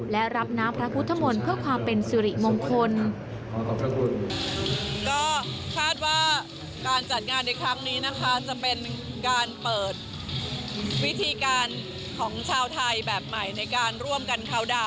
และรับน้ำพระพุทธมนต์เพื่อความเป็นสิริมงคล